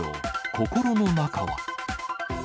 心の中は？